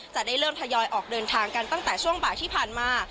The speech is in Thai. จะได้เริ่มทยอยออกเดินทางกันตั้งแต่ช่วงบ่ายที่ผ่านมา